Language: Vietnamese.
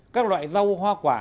các loại rau hoa quả